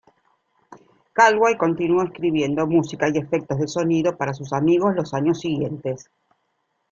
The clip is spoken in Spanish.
Galway, continuo escribiendo música y efectos de sonido para sus amigos los años siguientes.